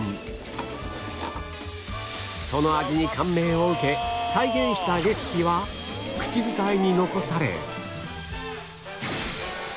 その味に感銘を受け再現したレシピは口伝えに残され